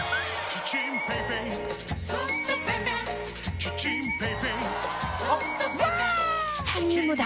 チタニウムだ！